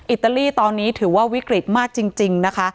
อิตาลีตอนนี้ถือว่าวิกฤตมากจริงนะคะ